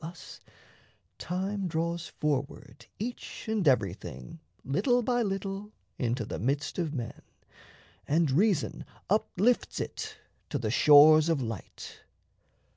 Thus time draws forward each and everything Little by little into the midst of men, And reason uplifts it to the shores of light.